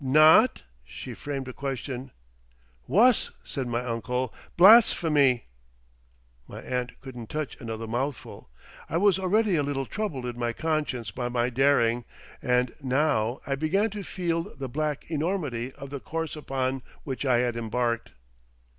"Not—?" she framed a question. "Wuss," said my uncle. "Blarsphemy." My aunt couldn't touch another mouthful. I was already a little troubled in my conscience by my daring, and now I began to feel the black enormity of the course upon which I had embarked.